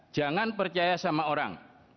jangan percaya sama orang